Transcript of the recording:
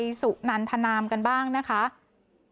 ตัวไปสอบสวนแล้วค่ะไปดูบรรยากาศงานศพของนายสุริยชัยสุนันทนามกันบ้างนะคะ